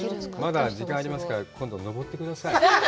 まだ時間ありますから、今度登ってください。